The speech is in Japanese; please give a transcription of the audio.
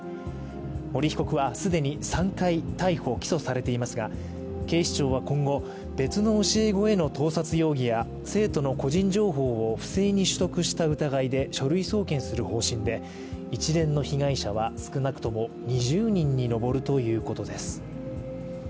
森被告は、既に３回、逮捕・起訴されていますが警視庁は今後、別の教え子への盗撮容疑や生徒の個人情報を不正に取得した疑いで書類送検する方針で、一連の被害者は少なくとも２０人に上るということです。